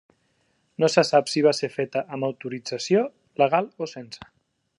No se sap si va ser feta amb autorització legal o sense.